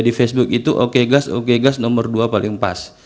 di facebook itu okegas okegas nomor dua paling pas